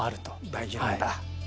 大事なんだ。